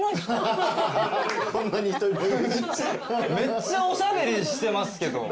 めっちゃおしゃべりしてますけど。